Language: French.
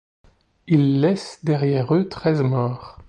Ils laissent derrière eux treize morts.